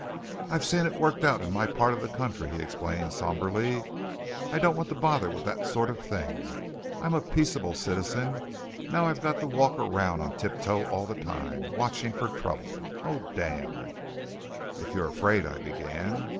"I've seen it worked out in my part of the country," he explained sombrely. "I don't want to bother with that sort of thing. I'm a peaceable citizen. Now I've got to walk around on tiptoe all the time watching for trouble. Oh, damn!" "If you're afraid " I began.